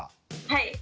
はい。